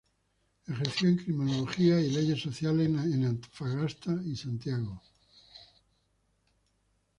Ejerció en criminología y leyes sociales en Antofagasta y Santiago.